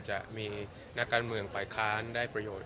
จะมีนักการเมืองฝ่ายค้านได้ประโยชน์